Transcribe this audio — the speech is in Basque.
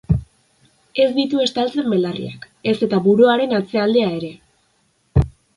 Ez ditu estaltzen belarriak, ez eta buruaren atzealdea ere.